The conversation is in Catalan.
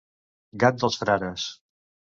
Gat dels frares.